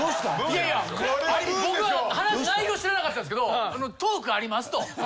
いやいや僕話内容知らなかったんですけどトークありますと。